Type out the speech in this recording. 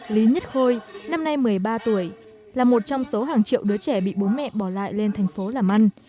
lý nhất khôi năm nay một mươi ba tuổi là một trong số hàng triệu đứa trẻ bị bố mẹ bỏ lại lên thành phố làm ăn